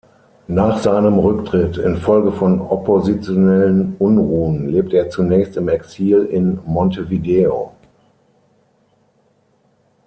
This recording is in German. Nach seinem Rücktritt, infolge von oppositionellen Unruhen, lebte er zunächst im Exil in Montevideo.